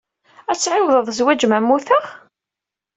Ad tɛiwḍeḍ zwaj ma mmuteɣ?